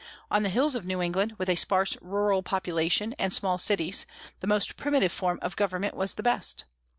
On the hills of New England, with a sparse rural population and small cities, the most primitive form of government was the best.